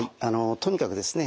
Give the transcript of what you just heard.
とにかくですね